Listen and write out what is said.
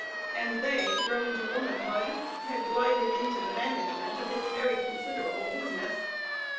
and they, grown to womanhood, had glided into the management of its very considerable business.